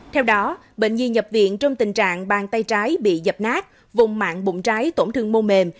theo đó bệnh nhi nhập viện trong tình trạng bàn tay trái bị dập nát vùng mạng bụng trái tổn thương mô mềm